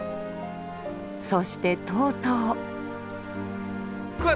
そしてとうとう。